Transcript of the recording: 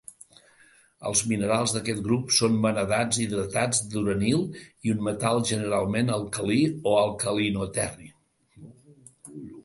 Els minerals d'aquest grup són vanadats hidratats d'uranil i un metal, generalment alcalí o alcalinoterri.